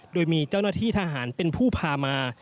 โดยมีเจ้าหน้าที่ทหารเป็นผู้พามา